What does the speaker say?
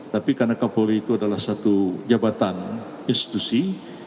tapi karena kapolri itu adalah satu jabatan institusi